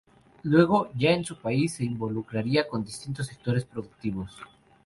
Luego, ya en su país, se involucraría con distintos sectores productivos.